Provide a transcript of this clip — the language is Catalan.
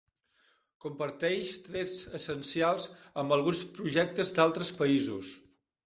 Comparteix trets essencials amb alguns projectes d'altres països.